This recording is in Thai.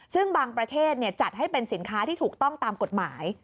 ซึ่งบางประเทศจัดให้เป็นสินค้าที่ถูกต้องตามกฎหมาย